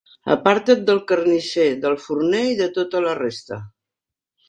Aparta't del carnisser, del forner i de tota la resta.